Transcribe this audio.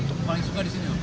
paling suka di sini apa